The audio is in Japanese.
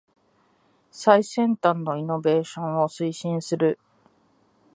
最先端のイノベーションを推進する